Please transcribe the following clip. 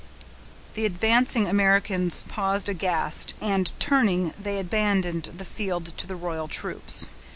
The advancing Americans paused aghast, and, turning, they abandoned the field to the royal troops.